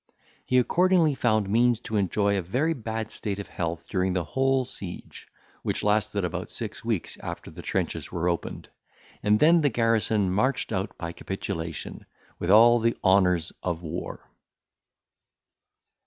He accordingly found means to enjoy a very bad state of health during the whole siege, which lasted about six weeks after the trenches were opened; and then the garrison marched out by capitulation, with all the honours of war.